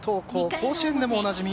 甲子園でもおなじみ